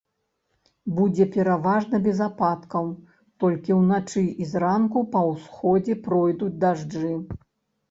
Будзе пераважна без ападкаў, толькі ўначы і зранку па ўсходзе пройдуць дажджы.